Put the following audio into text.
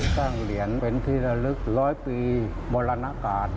สร้างเหรียญเป็นที่ระลึกร้อยปีมรณกาศ